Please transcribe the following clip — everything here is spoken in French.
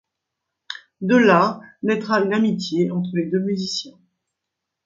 De là naîtra une amitié entre les deux musiciens.